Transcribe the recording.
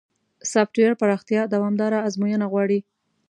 سافټویر پراختیا دوامداره ازموینه غواړي.